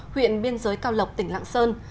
huyện biên giới cao lộc tỉnh lạng sơn